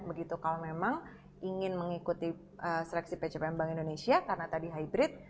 begitu kalau memang ingin mengikuti seleksi pcpm bank indonesia karena tadi hybrid